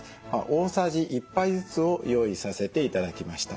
大さじ１杯ずつを用意させて頂きました。